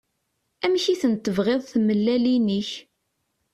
Amek i ten-tebɣiḍ tmellalin-ik?